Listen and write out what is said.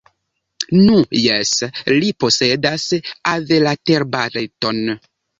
Nu, jes, li posedas aveletarbareton.